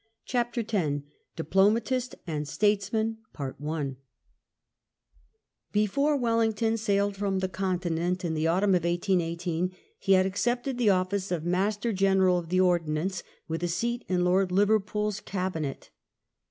CHAPTEE X DIPLOMATIST AND STATESMAN Before Wellington sailed from the Continent in the autumn of 1818, he had accepted the office of Master General of the Ordnance with a seat in Lord liverpoors Cabinet.